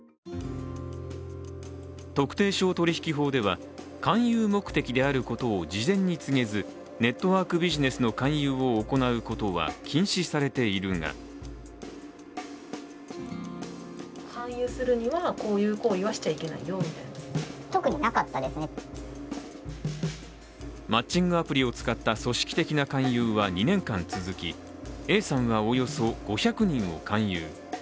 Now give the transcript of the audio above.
特定商取引法では勧誘目的であることを事前に告げずネットワークビジネスの勧誘を行うことは禁止されているがマッチングアプリを使った組織的な勧誘は２年間続き、Ａさんは、およそ５００人を勧誘。